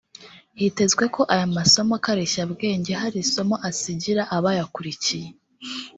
Hitezwe ko aya masomo karishyabwenge hari isomo asigira abayakurikiye